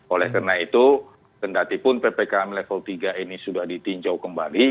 oleh karena itu tendatipun ppkm level tiga ini sudah ditinjau kembali